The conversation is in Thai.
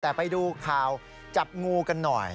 แต่ไปดูข่าวจับงูกันหน่อย